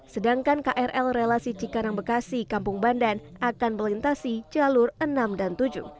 sedangkan krl relasi cikarang bekasi kampung bandan akan melintasi jalur enam dan tujuh